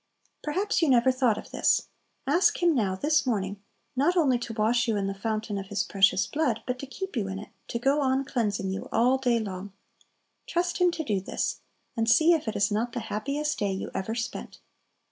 Perhaps you never thought of this; ask Him now this morning not only to wash you in the fountain of His precious blood, but to keep you in it, to go on cleansing you all day long. Trust Him to do this, and see if it is not the happiest day you ever spent!